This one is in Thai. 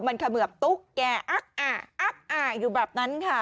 มันเขมือบตุ๊กแก่อยู่แบบนั้นค่ะ